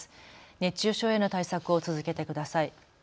熱中症への対策を続けてください。